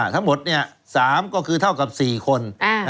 ทั้งหมด๓ก็คือเท่ากับ๔คน